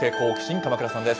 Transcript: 鎌倉さんです。